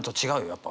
やっぱ。